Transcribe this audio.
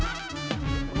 tuh mben pur